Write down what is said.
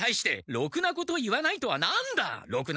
「ろくなこと言わない」とは！